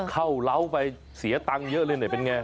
เข้าร้าวไปเสียตังค์เยอะเลยเป็นไง